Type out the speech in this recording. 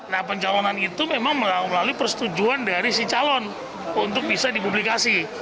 nah pencalonan itu memang melalui persetujuan dari si calon untuk bisa dipublikasi